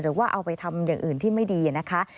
หรือว่าเอาไปทำอย่างอื่นที่ไม่ดีนะคะ